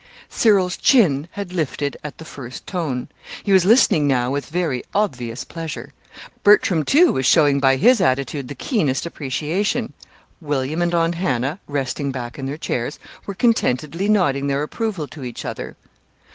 Cyril's chin had lifted at the first tone. He was listening now with very obvious pleasure. Bertram, too, was showing by his attitude the keenest appreciation. William and Aunt Hannah, resting back in their chairs, were contentedly nodding their approval to each other.